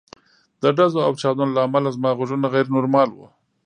د ډزو او چاودنو له امله زما غوږونه غیر نورمال وو